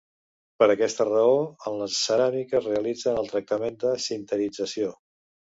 Per aquesta raó, en les ceràmiques realitzem un tractament de sinterització.